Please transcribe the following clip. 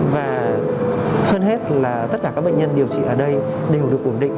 và hơn hết là tất cả các bệnh nhân điều trị ở đây đều được ổn định